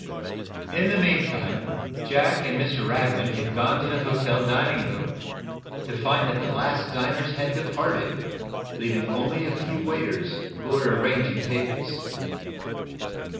In the meantime Jack and Mr. Radwin had gone to the hotel dining room, to find that the last diners had departed, leaving only a few waiters who were arranging tables.